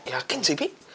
yakin sih bi